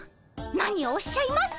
何をおっしゃいます！